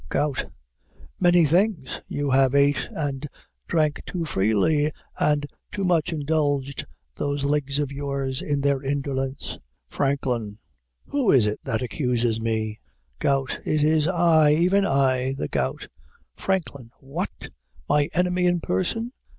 GOUT. Many things; you have ate and drank too freely, and too much indulged those legs of yours in their indolence. FRANKLIN. Who is it that accuses me? GOUT. It is I, even I, the Gout. FRANKLIN. What! my enemy in person?